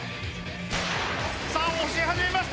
さあ、押し上げました！